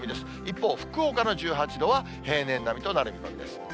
今福岡のは、平年並みとなる見込みです。